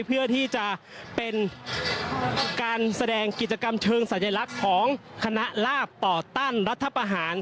เพื่อที่จะเป็นการแสดงกิจกรรมเชิงสัญลักษณ์ของคณะลาบต่อต้านรัฐประหาร